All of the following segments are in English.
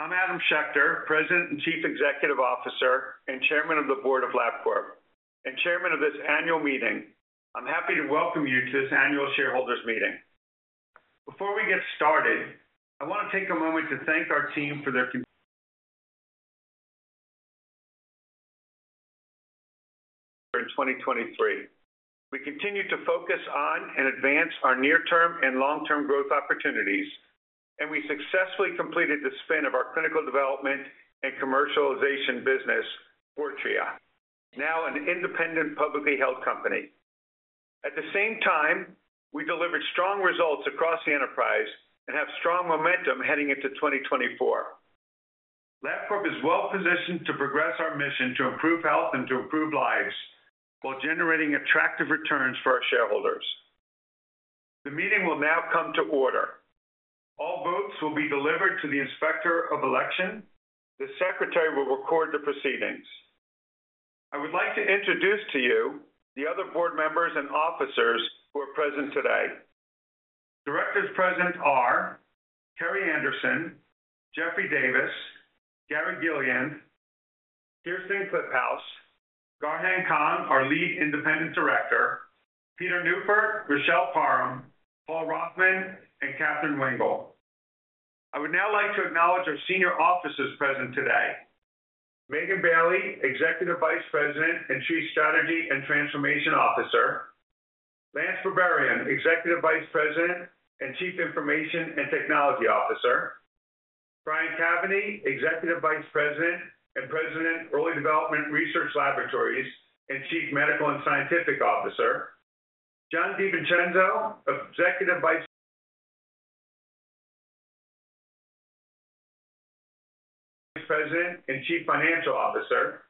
I'm Adam Schechter, President and Chief Executive Officer and Chairman of the Board of Labcorp, and Chairman of this annual meeting. I'm happy to welcome you to this annual shareholders' meeting. Before we get started, I want to take a moment to thank our team for their contributions in 2023. We continue to focus on and advance our near-term and long-term growth opportunities, and we successfully completed the spin of our clinical development and commercialization business, Fortrea, now an independent publicly held company. At the same time, we delivered strong results across the enterprise and have strong momentum heading into 2024. Labcorp is well positioned to progress our mission to improve health and to improve lives while generating attractive returns for our shareholders. The meeting will now come to order. All votes will be delivered to the inspector of election. The secretary will record the proceedings. I would like to introduce to you the other board members and officers who are present today. Directors present are Kerrii B. Anderson, Jeffrey A. Davis, D. Gary Gilliland, Kirsten M. Kliphouse, Garheng Kong, our lead independent director, Peter M. Neupert, Richelle P. Parham, Paul B. Rothman, and Kathryn E. Wengel. I would now like to acknowledge our senior officers present today: Megan Bailey, Executive Vice President and Chief Strategy and Transformation Officer, Lance Berberian, Executive Vice President and Chief Information and Technology Officer, Brian Caveney, Executive Vice President and President Early Development Research Laboratories and Chief Medical and Scientific Officer, Jon DiVincenzo, Executive Vice President and Chief Financial Officer,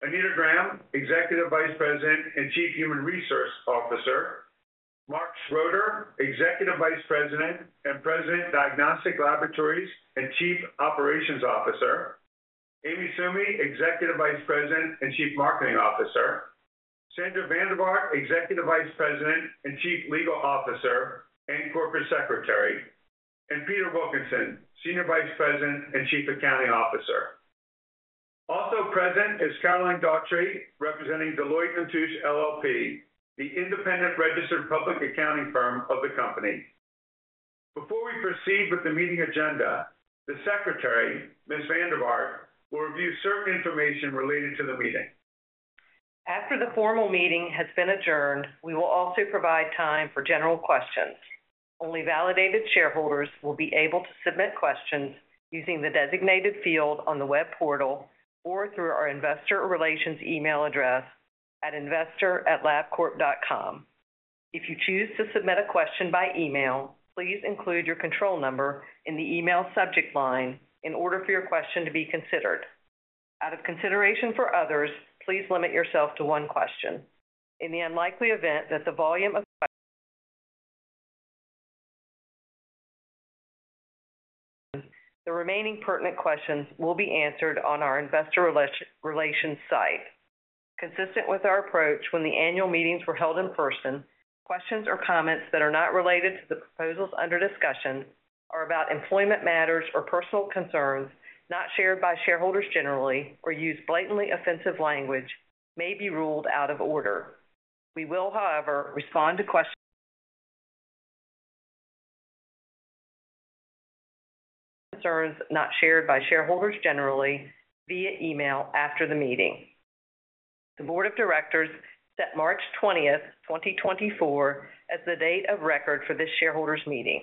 Anita Graham, Executive Vice President and Chief Human Resource Officer, Mark Schroeder, Executive Vice President and President Diagnostic Laboratories and Chief Operations Officer, Amy Summy, Executive Vice President and Chief Marketing Officer, Sandra van der Vaart, Executive Vice President and Chief Legal Officer and Corporate Secretary, and Peter Wilkinson, Senior Vice President and Chief Accounting Officer. Also present is Caroline Daughtry, representing Deloitte & Touche LLP, the independent registered public accounting firm of the company. Before we proceed with the meeting agenda, the secretary, Ms. Vaart will review certain information related to the meeting. After the formal meeting has been adjourned, we will also provide time for general questions. Only validated shareholders will be able to submit questions using the designated field on the web portal or through our investor relations email address at investor@labcorp.com. If you choose to submit a question by email, please include your control number in the email subject line in order for your question to be considered. Out of consideration for others, please limit yourself to one question. In the unlikely event that the volume of questions remains, the remaining pertinent questions will be answered on our investor relations site. Consistent with our approach, when the annual meetings were held in person, questions or comments that are not related to the proposals under discussion are about employment matters or personal concerns, not shared by shareholders generally, or use blatantly offensive language, may be ruled out of order. We will, however, respond to questions and concerns not shared by shareholders generally via email after the meeting. The Board of Directors set March 20th, 2024, as the date of record for this shareholders' meeting.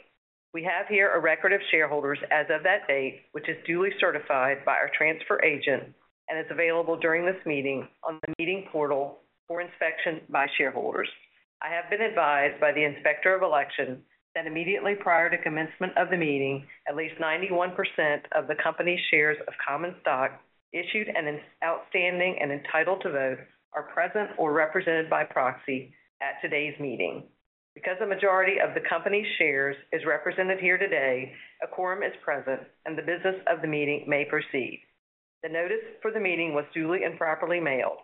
We have here a record of shareholders as of that date, which is duly certified by our transfer agent and is available during this meeting on the meeting portal for inspection by shareholders. I have been advised by the inspector of election that immediately prior to commencement of the meeting, at least 91% of the company's shares of common stock issued and outstanding and entitled to vote are present or represented by proxy at today's meeting. Because a majority of the company's shares is represented here today, a quorum is present and the business of the meeting may proceed. The notice for the meeting was duly and properly mailed.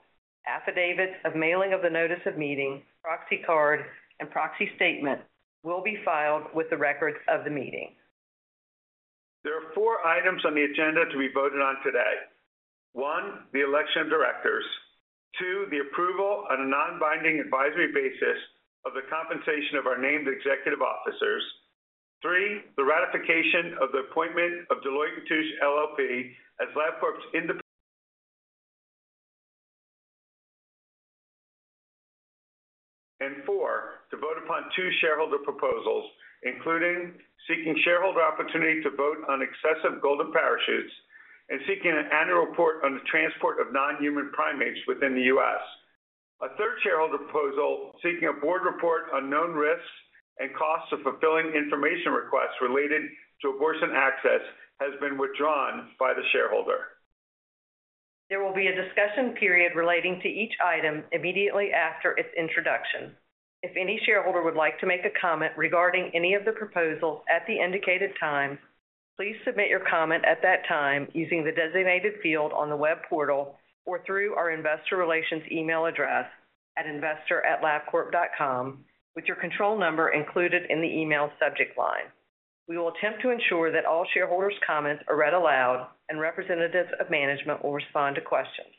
Affidavits of mailing of the notice of meeting, proxy card, and proxy statement will be filed with the records of the meeting. There are four items on the agenda to be voted on today. One, the election of directors. Two, the approval on a non-binding advisory basis of the compensation of our named executive officers. Three, the ratification of the appointment of Deloitte & Touche LLP as Labcorp's independent representatives. And four, to vote upon two shareholder proposals, including seeking shareholder opportunity to vote on excessive golden parachutes and seeking an annual report on the transport of non-human primates within the U.S. A third shareholder proposal seeking a board report on known risks and costs of fulfilling information requests related to abortion access has been withdrawn by the shareholder. There will be a discussion period relating to each item immediately after its introduction. If any shareholder would like to make a comment regarding any of the proposals at the indicated time, please submit your comment at that time using the designated field on the web portal or through our investor relations email address at investor@Labcorp.com with your control number included in the email subject line. We will attempt to ensure that all shareholders' comments are read aloud and representatives of management will respond to questions.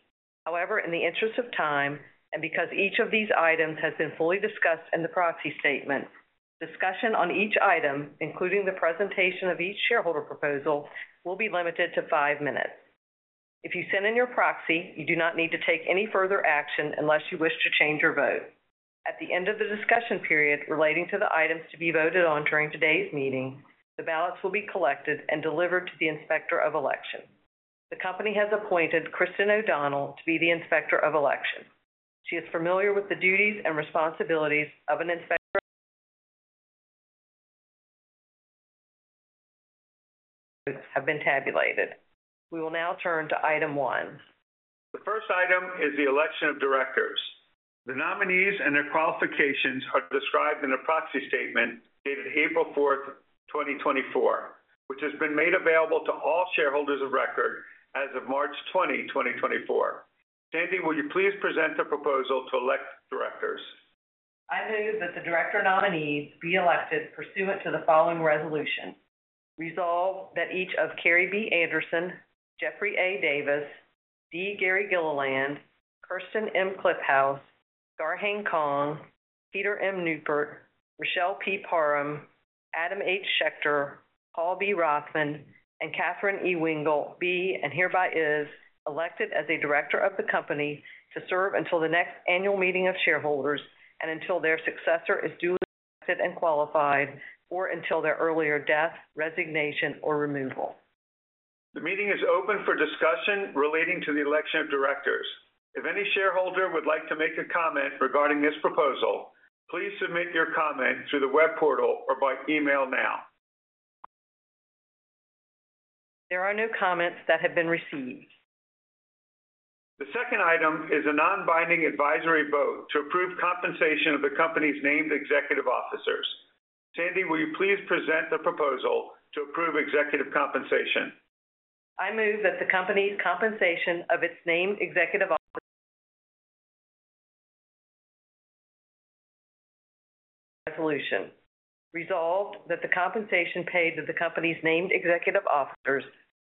However, in the interest of time and because each of these items has been fully discussed in the proxy statement, discussion on each item, including the presentation of each shareholder proposal, will be limited to five minutes. If you send in your proxy, you do not need to take any further action unless you wish to change your vote. At the end of the discussion period relating to the items to be voted on during today's meeting, the ballots will be collected and delivered to the inspector of election. The company has appointed Christin O'Donnell to be the inspector of election. She is familiar with the duties and responsibilities of an inspector of election. Votes have been tabulated. We will now turn to item one. The first item is the election of directors. The nominees and their qualifications are described in a proxy statement dated April 4th, 2024, which has been made available to all shareholders of record as of March 20, 2024. Sandy, will you please present the proposal to elect directors? I move that the director nominees be elected pursuant to the following resolution: Resolve that each of Kerrii B. Anderson, Jeffrey A. Davis, D. Gary Gilliland, Kirsten M. Kliphouse, Garheng Kong, Peter M. Neupert, Richelle P. Parham, Adam H. Schechter, Paul B. Rothman, and Kathryn E. Wengel be and hereby is elected as a director of the company to serve until the next annual meeting of shareholders and until their successor is duly elected and qualified, or until their earlier death, resignation, or removal. The meeting is open for discussion relating to the election of directors. If any shareholder would like to make a comment regarding this proposal, please submit your comment through the web portal or by email now. There are no comments that have been received. The second item is a non-binding advisory vote to approve compensation of the company's named executive officers. Sandy, will you please present the proposal to approve executive compensation? I move that the company's compensation of its named executive officers. Resolution: Resolve that the compensation paid to the company's named executive officers,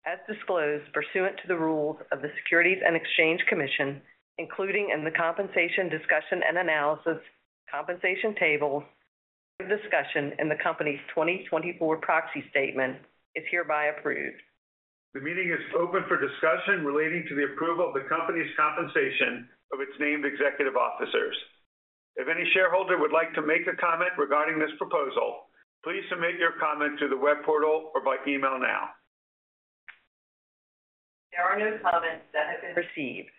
as disclosed pursuant to the rules of the Securities and Exchange Commission, including in the compensation discussion and analysis, compensation tables, discussion in the company's 2024 proxy statement, is hereby approved. The meeting is open for discussion relating to the approval of the company's compensation of its named executive officers. If any shareholder would like to make a comment regarding this proposal, please submit your comment through the web portal or by email now. There are no comments that have been received.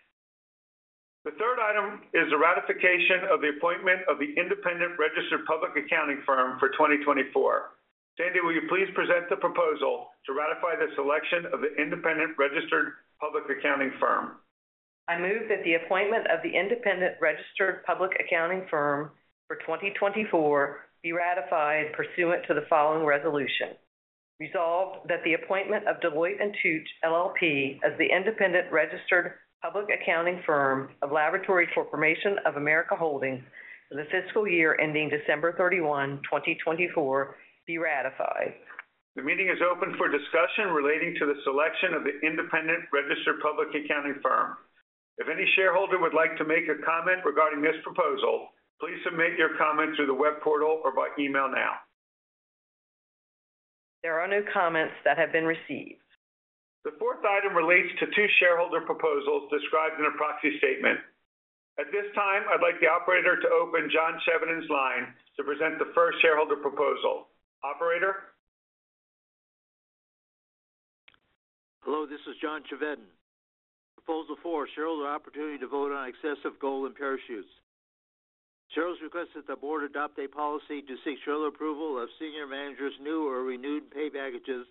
The third item is a ratification of the appointment of the independent registered public accounting firm for 2024. Sandy, will you please present the proposal to ratify this election of the independent registered public accounting firm? I move that the appointment of the independent registered public accounting firm for 2024 be ratified pursuant to the following resolution. Resolve that the appointment of Deloitte & Touche LLP as the independent registered public accounting firm of Laboratory Corporation of America Holdings for the fiscal year ending December 31, 2024, be ratified. The meeting is open for discussion relating to the selection of the independent registered public accounting firm. If any shareholder would like to make a comment regarding this proposal, please submit your comment through the web portal or by email now. There are no comments that have been received. The fourth item relates to two shareholder proposals described in a proxy statement. At this time, I'd like the operator to open John Chevedden's line to present the first shareholder proposal. Operator? Hello, this is John Chevedden. Proposal four, shareholder opportunity to vote on excessive golden parachutes. Shareholders request that the board adopt a policy to seek shareholder approval of senior managers' new or renewed pay packages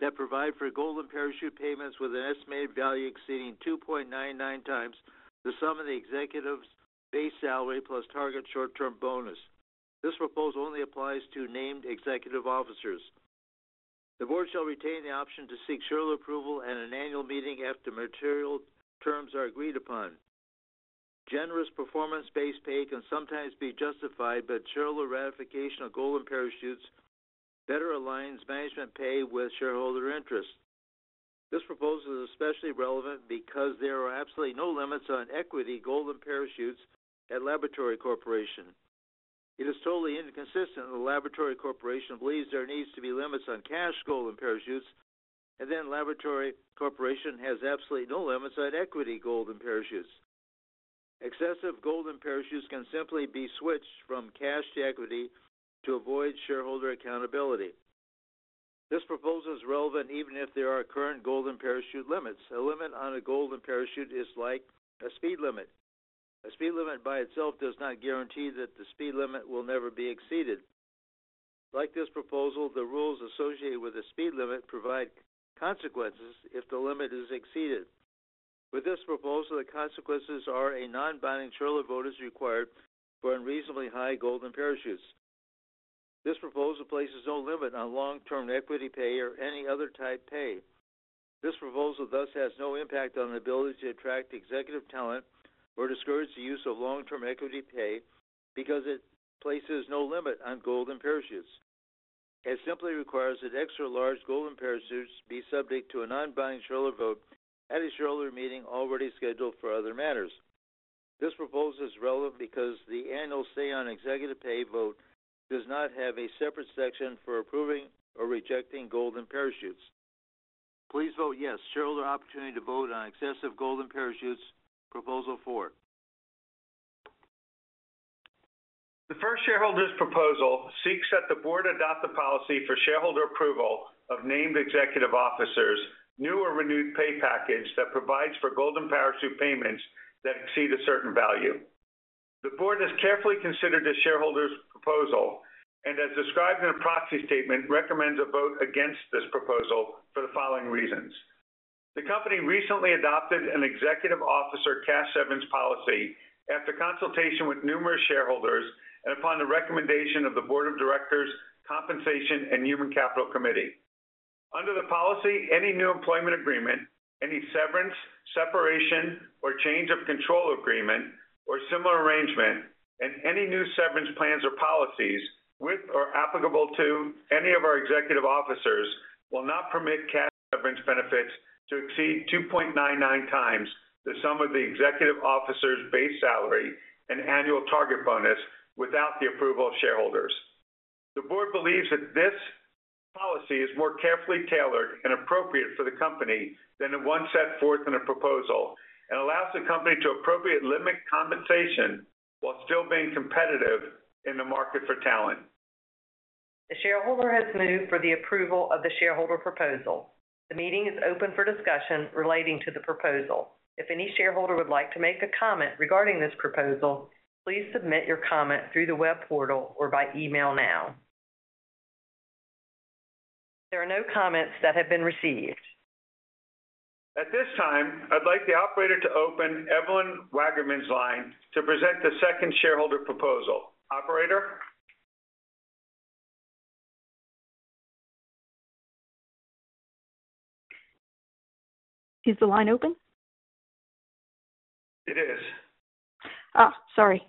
that provide for golden parachute payments with an estimated value exceeding 2.99x the sum of the executive's base salary plus target short-term bonus. This proposal only applies to named executive officers. The board shall retain the option to seek shareholder approval at an annual meeting after material terms are agreed upon. Generous performance-based pay can sometimes be justified, but shareholder ratification of golden parachutes better aligns management pay with shareholder interests. This proposal is especially relevant because there are absolutely no limits on equity golden parachutes at Laboratory Corporation. It is totally inconsistent that Laboratory Corporation believes there needs to be limits on cash golden parachutes, and then Laboratory Corporation has absolutely no limits on equity golden parachutes. Excessive golden parachutes can simply be switched from cash to equity to avoid shareholder accountability. This proposal is relevant even if there are current golden parachute limits. A limit on a golden parachute is like a speed limit. A speed limit by itself does not guarantee that the speed limit will never be exceeded. Like this proposal, the rules associated with a speed limit provide consequences if the limit is exceeded. With this proposal, the consequences are a non-binding shareholder vote is required for unreasonably high golden parachutes. This proposal places no limit on long-term equity pay or any other type pay. This proposal thus has no impact on the ability to attract executive talent or discourage the use of long-term equity pay because it places no limit on golden parachutes. It simply requires that extra large golden parachutes be subject to a non-binding shareholder vote at a shareholder meeting already scheduled for other matters. This proposal is relevant because the annual say on executive pay vote does not have a separate section for approving or rejecting golden parachutes. Please vote yes. Shareholder opportunity to vote on excessive golden parachutes. Proposal four. The first shareholder's proposal seeks that the board adopt the policy for shareholder approval of named executive officers' new or renewed pay package that provides for golden parachute payments that exceed a certain value. The board has carefully considered the shareholder's proposal and, as described in a proxy statement, recommends a vote against this proposal for the following reasons. The company recently adopted an executive officer cash severance policy after consultation with numerous shareholders and upon the recommendation of the Board of Directors Compensation and Human Capital Committee. Under the policy, any new employment agreement, any severance, separation, or change of control agreement, or similar arrangement, and any new severance plans or policies with or applicable to any of our executive officers will not permit cash severance benefits to exceed 2.99 times the sum of the executive officer's base salary and annual target bonus without the approval of shareholders. The Board believes that this policy is more carefully tailored and appropriate for the company than the one set forth in a proposal and allows the company to appropriately limit compensation while still being competitive in the market for talent. The shareholder has moved for the approval of the shareholder proposal. The meeting is open for discussion relating to the proposal. If any shareholder would like to make a comment regarding this proposal, please submit your comment through the web portal or by email now. There are no comments that have been received. At this time, I'd like the operator to open Evelyn Wagaman's line to present the second shareholder proposal. Operator? Is the line open? It is. Oh, sorry.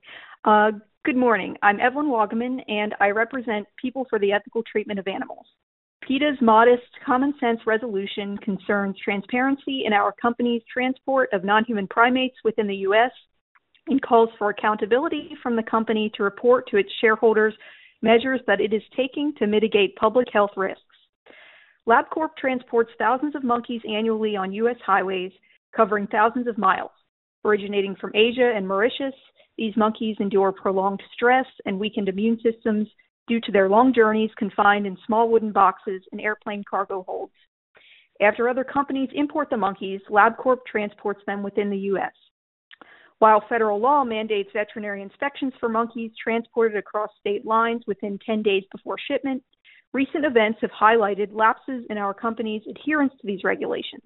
Good morning. I'm Evelyn Wagaman, and I represent People for the Ethical Treatment of Animals. PETA's modest common sense resolution concerns transparency in our company's transport of non-human primates within the U.S. and calls for accountability from the company to report to its shareholders measures that it is taking to mitigate public health risks. Labcorp transports thousands of monkeys annually on U.S. highways covering thousands of miles. Originating from Asia and Mauritius, these monkeys endure prolonged stress and weakened immune systems due to their long journeys confined in small wooden boxes in airplane cargo holds. After other companies import the monkeys, Labcorp transports them within the U.S. While federal law mandates veterinary inspections for monkeys transported across state lines within 10 days before shipment, recent events have highlighted lapses in our company's adherence to these regulations.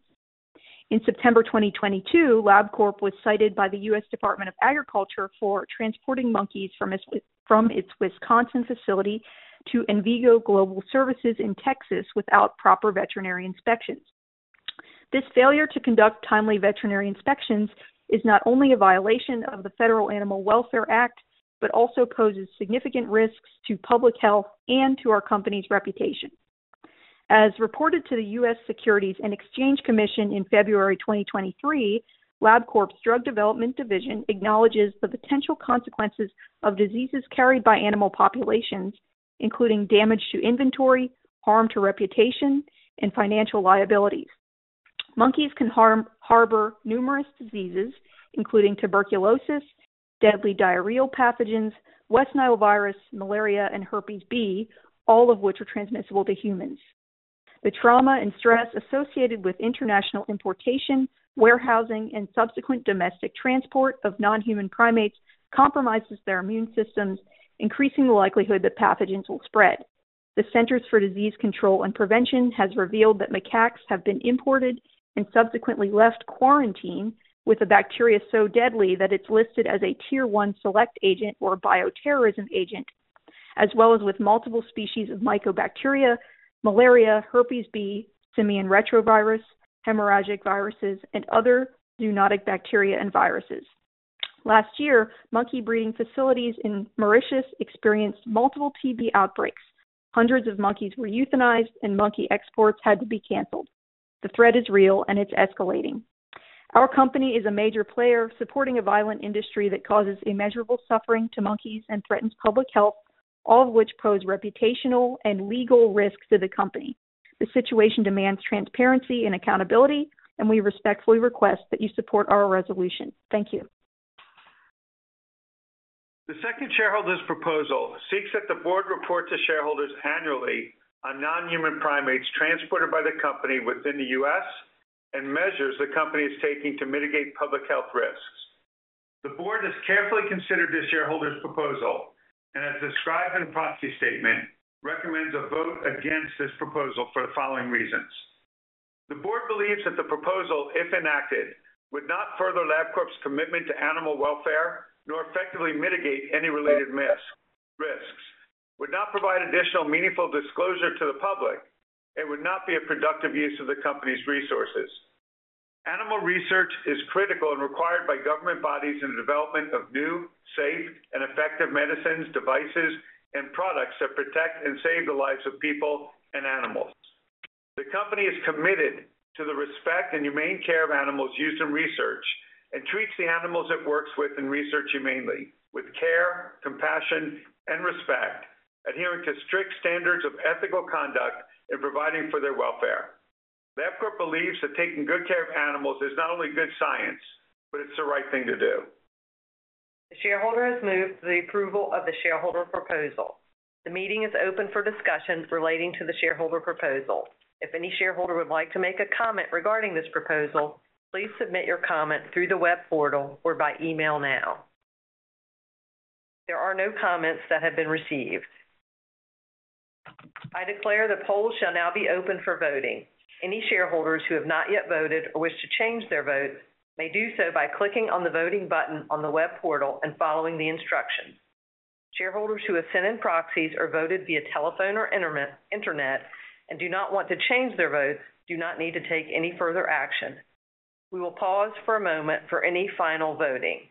In September 2022, Labcorp was cited by the U.S. Department of Agriculture for transporting monkeys from its Wisconsin facility to Envigo in Texas without proper veterinary inspections. This failure to conduct timely veterinary inspections is not only a violation of the Federal Animal Welfare Act, but also poses significant risks to public health and to our company's reputation. As reported to the U.S. Securities and Exchange Commission in February 2023, Labcorp's Drug Development Division acknowledges the potential consequences of diseases carried by animal populations, including damage to inventory, harm to reputation, and financial liabilities. Monkeys can harbor numerous diseases, including tuberculosis, deadly diarrheal pathogens, West Nile virus, malaria, and Herpes B, all of which are transmissible to humans. The trauma and stress associated with international importation, warehousing, and subsequent domestic transport of non-human primates compromises their immune systems, increasing the likelihood that pathogens will spread. The Centers for Disease Control and Prevention has revealed that macaques have been imported and subsequently left quarantine with a bacteria so deadly that it's listed as a Tier 1 select agent or bioterrorism agent, as well as with multiple species of mycobacteria, malaria, herpes B, simian retrovirus, hemorrhagic viruses, and other zoonotic bacteria and viruses. Last year, monkey breeding facilities in Mauritius experienced multiple TB outbreaks. Hundreds of monkeys were euthanized, and monkey exports had to be canceled. The threat is real, and it's escalating. Our company is a major player supporting a violent industry that causes immeasurable suffering to monkeys and threatens public health, all of which pose reputational and legal risks to the company. The situation demands transparency and accountability, and we respectfully request that you support our resolution. Thank you. The second shareholder's proposal seeks that the board report to shareholders annually on non-human primates transported by the company within the U.S. and measures the company is taking to mitigate public health risks. The board has carefully considered this shareholder's proposal and, as described in the proxy statement, recommends a vote against this proposal for the following reasons. The board believes that the proposal, if enacted, would not further Labcorp's commitment to animal welfare nor effectively mitigate any related risks, would not provide additional meaningful disclosure to the public, and would not be a productive use of the company's resources. Animal research is critical and required by government bodies in the development of new, safe, and effective medicines, devices, and products that protect and save the lives of people and animals. The company is committed to the respect and humane care of animals used in research and treats the animals it works with in research humanely with care, compassion, and respect, adhering to strict standards of ethical conduct and providing for their welfare. Labcorp believes that taking good care of animals is not only good science, but it's the right thing to do. The shareholder has moved for the approval of the shareholder proposal. The meeting is open for discussions relating to the shareholder proposal. If any shareholder would like to make a comment regarding this proposal, please submit your comment through the web portal or by email now. There are no comments that have been received. I declare the poll shall now be open for voting. Any shareholders who have not yet voted or wish to change their votes may do so by clicking on the voting button on the web portal and following the instructions. Shareholders who have sent in proxies or voted via telephone or internet and do not want to change their votes do not need to take any further action. We will pause for a moment for any final voting.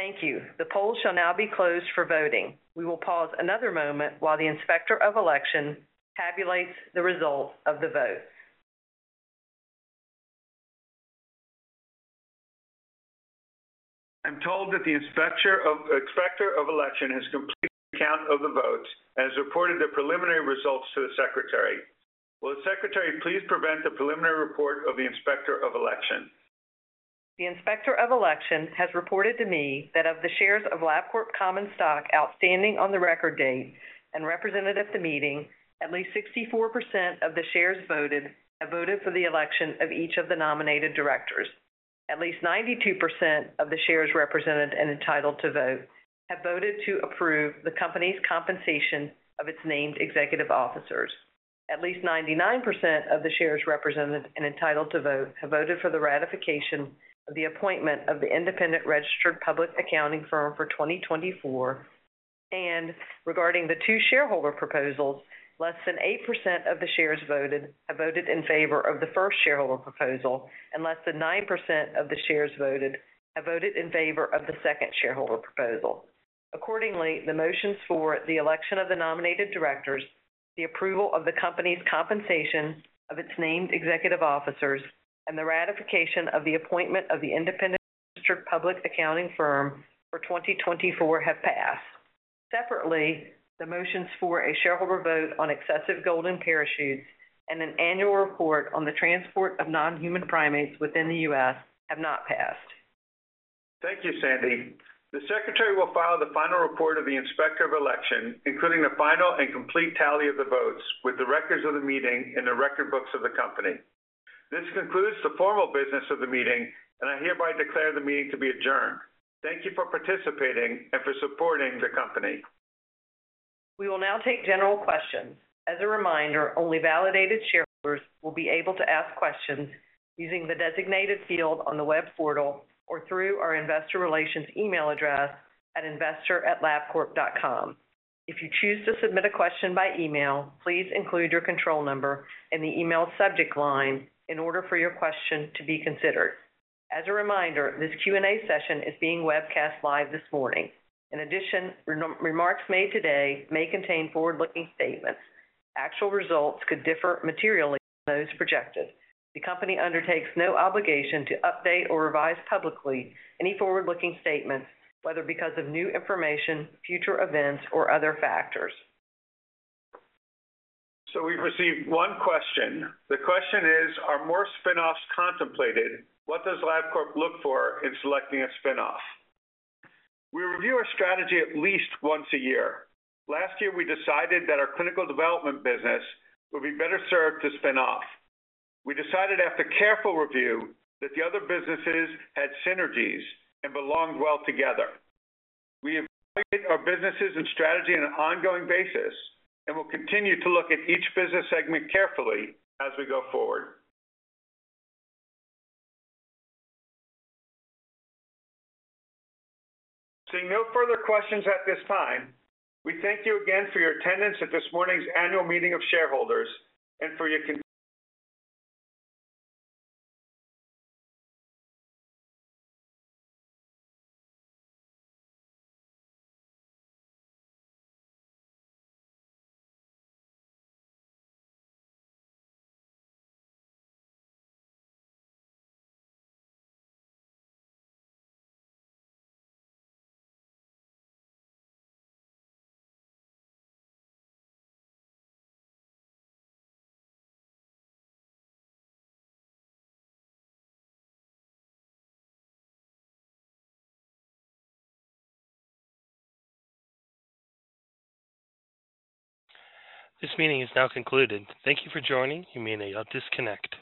Thank you. The poll shall now be closed for voting. We will pause another moment while the inspector of election tabulates the results of the vote. I'm told that the inspector of election has completed the count of the votes and has reported the preliminary results to the secretary. Will the secretary please present the preliminary report of the inspector of election? The inspector of election has reported to me that of the shares of Labcorp Common Stock outstanding on the record date and representative of the meeting, at least 64% of the shares voted have voted for the election of each of the nominated directors. At least 92% of the shares represented and entitled to vote have voted to approve the company's compensation of its named executive officers. At least 99% of the shares represented and entitled to vote have voted for the ratification of the appointment of the independent registered public accounting firm for 2024. Regarding the two shareholder proposals, less than 8% of the shares voted have voted in favor of the first shareholder proposal, and less than 9% of the shares voted have voted in favor of the second shareholder proposal. Accordingly, the motions for the election of the nominated directors, the approval of the company's compensation of its named executive officers, and the ratification of the appointment of the independent registered public accounting firm for 2024 have passed. Separately, the motions for a shareholder vote on excessive golden parachutes and an annual report on the transport of non-human primates within the U.S. have not passed. Thank you, Sandy. The secretary will file the final report of the inspector of election, including the final and complete tally of the votes with the records of the meeting in the record books of the company. This concludes the formal business of the meeting, and I hereby declare the meeting to be adjourned. Thank you for participating and for supporting the company. We will now take general questions. As a reminder, only validated shareholders will be able to ask questions using the designated field on the web portal or through our investor relations email address at investor@labcorp.com. If you choose to submit a question by email, please include your control number in the email subject line in order for your question to be considered. As a reminder, this Q&A session is being webcast live this morning. In addition, remarks made today may contain forward-looking statements. Actual results could differ materially from those projected. The company undertakes no obligation to update or revise publicly any forward-looking statements, whether because of new information, future events, or other factors. So we've received one question. The question is, are more spinoffs contemplated? What does Labcorp look for in selecting a spinoff? We review our strategy at least once a year. Last year, we decided that our clinical development business would be better served to spin off. We decided after careful review that the other businesses had synergies and belonged well together. We evaluate our businesses and strategy on an ongoing basis and will continue to look at each business segment carefully as we go forward. Seeing no further questions at this time, we thank you again for your attendance at this morning's annual meeting of shareholders and for your. This meeting is now concluded. Thank you for joining. You may now disconnect.